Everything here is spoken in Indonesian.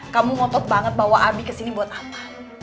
kamu ngotot banget bawa abi kesini buat apa